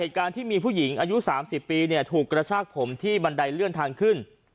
การที่มีผู้หญิงอายุ๓๐ปีถูกกระชากผมที่บันไดเลื่อนทางขึ้น